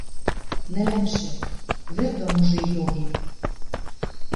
Нӹлӹмшӹ, вӹр дон уже йоген